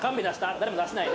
誰も出してないね？